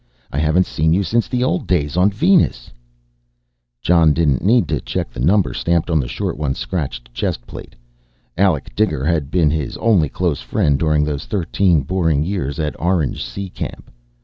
I haven't seen you since the old days on Venus!" Jon didn't need to check the number stamped on the short one's scratched chestplate. Alec Diger had been his only close friend during those thirteen boring years at Orange Sea Camp.